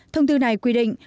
thông tư này quy định